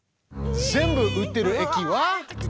全部売ってる駅は。